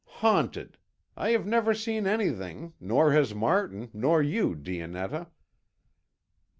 Haunted! I have never seen anything, nor has Martin, nor you, Dionetta."